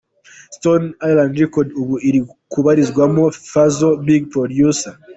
Stone Island Record ubu iri kubarizwamo Fazzo Big Producer .